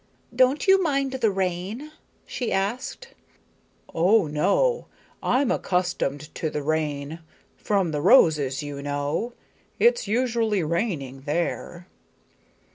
"Don't you mind the rain?" she asked. "Oh, no. I'm accustomed to the rain from the roses, you know. It's usually raining there."